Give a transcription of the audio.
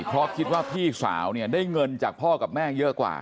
เพราะคิดว่าพี่สาวเนี่ยได้เงินจากพ่อกับแม่เยอะกว่า